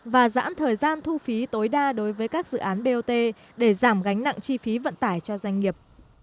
và đảm bảo thu phí tối đa đối với các dự án bot để giảm gánh nặng chi phí vận tải cho doanh nghiệp